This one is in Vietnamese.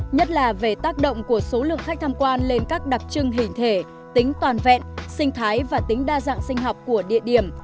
nhất là về tác động của số lượng khách tham quan lên các đặc trưng hình thể tính toàn vẹn sinh thái và tính đa dạng sinh học của địa điểm